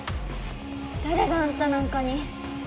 だれがあんたなんかに。